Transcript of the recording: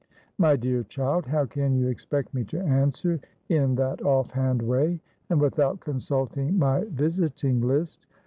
"My dear child, how can you expect me to answer in that off hand way, and without consulting my visiting list?